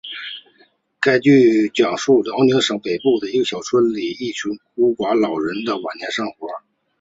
该剧讲述辽宁省北部一个小山村里一群孤寡老人的晚年生活。